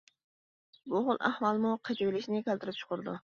بۇ خىل ئەھۋالمۇ قېتىۋېلىشنى كەلتۈرۈپ چىقىرىدۇ.